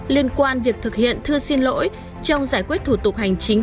liên quan việc thực hiện thư xin lỗi trong giải quyết thủ tục hành chính